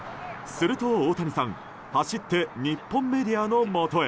すると大谷さん走って日本メディアのもとへ。